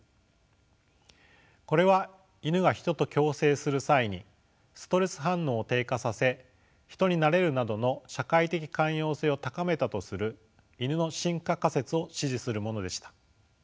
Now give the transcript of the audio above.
これはイヌがヒトと共生する際にストレス反応を低下させヒトになれるなどの社会的寛容性を高めたとするイヌの進化仮説を支持するものでした。